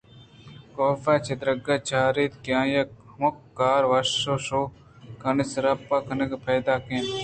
کاف چہ دریگ ءَ چاراِت کہ آئی ءِ ہمکار وش وشوکائی سرٛاپ کنانءَ پیداک اَنت